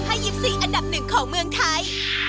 นักพยากรภะยิ็มซี่อันดับหนึ่งของเมืองไทย